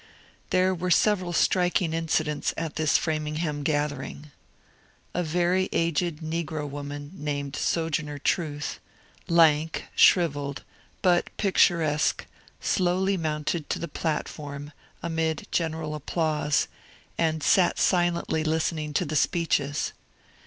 There were several striking incidents at this Framingham gathering. A very aged negro woman named ^^ Sojourner Truth,'* lank, shrivelled, but picturesque, slowly mounted to the plat form, amid general applause, and sat silently listening to the speeches.